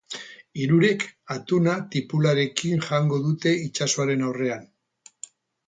Hirurek atuna tipularekin jango dute itsasoaren aurrean.